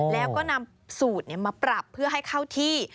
แล้วก็นำสูตรมาปรับเพื่อให้เข้าที่